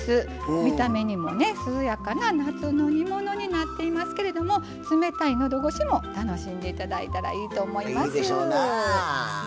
見た目にも涼やかな夏の煮物になっていますけれども冷たいのどごしも楽しんでいただいたらいいと思います。